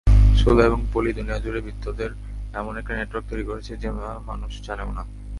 শোলা এবং পলি দুনিয়াজুড়ে ভৃত্যদের এমন একটা নেটওয়্যার্ক তৈরী করেছে যা মানুষ জানেও না!